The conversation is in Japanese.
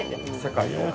世界を。